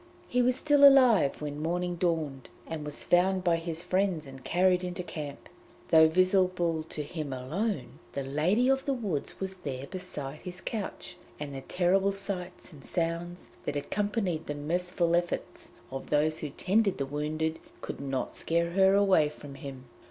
He was still alive when morning dawned, and was found by his friends and carried into camp. Though visible to him alone, the Lady of the Woods was there beside his couch, and the terrible sights and sounds that accompanied the merciful efforts of those who tended the wounded could not scare her away from him.